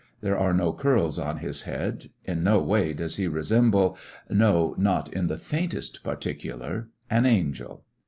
a souvenir are no curls on his head ; m no way does he bullet resemble— no, not in the faintest particular— an angel.